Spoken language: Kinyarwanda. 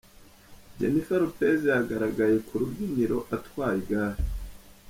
Jennifer Lopez yagaragaye ku rubyiniro atwaye igare.